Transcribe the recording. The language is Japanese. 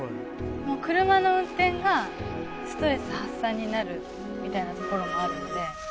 もう車の運転がストレス発散になるみたいなところもあるので。